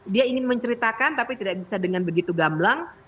dia ingin menceritakan tapi tidak bisa dengan begitu gamblang